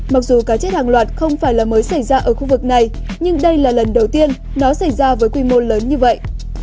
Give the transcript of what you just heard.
mặc dù cá chết hàng loạt không phải là mới xảy ra ở khu vực này nhưng đây là lần đầu tiên nó xảy ra với quy mô lớn như vậy